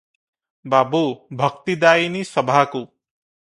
ବାବୁ - ଭକ୍ତି-ଦାୟିନୀ ସଭାକୁ ।